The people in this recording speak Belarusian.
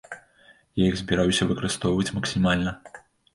Я іх збіраюся выкарыстоўваць максімальна.